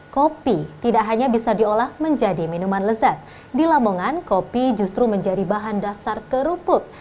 kopi tidak hanya bisa diolah menjadi minuman lezat di lamongan kopi justru menjadi bahan dasar kerupuk